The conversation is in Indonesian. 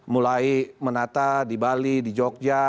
mulai menata di bali di jogja